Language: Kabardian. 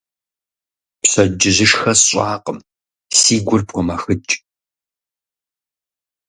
Пщэдджыжьышхэ сщӀакъыми, си гур помэхыкӀ.